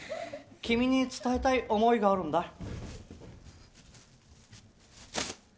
君に伝えたい思いがあるんだ。